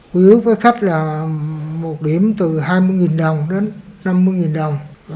với ước với khách là một điểm từ hai mươi đồng đến năm mươi đồng